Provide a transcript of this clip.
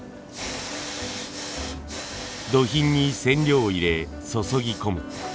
ドヒンに染料を入れ注ぎ込む。